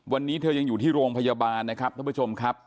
วันนี้เธอยังอยู่ที่โรงพยาบาลนะครับท่านผู้ชมครับ